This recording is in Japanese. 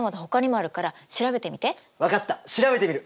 分かった調べてみる！